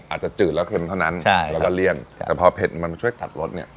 จืดแล้วเค็มเท่านั้นใช่แล้วก็เลี่ยนแต่พอเผ็ดมันมาช่วยตัดรสเนี่ย